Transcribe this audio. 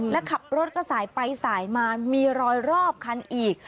และขับรถก็สายไปสายมามีรอยรอบคันอีก